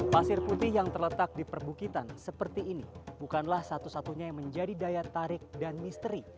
pasir putih yang terletak di perbukitan seperti ini bukanlah satu satunya yang menjadi daya tarik dan misteri